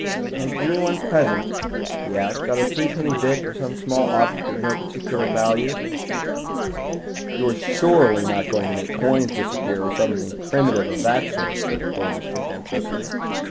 "Has anyone present," he asked, "got a three penny bit or some small object of no particular value—?" "You're surely not going to make coins disappear, or something primitive of that sort?" said Clovis contemptuously.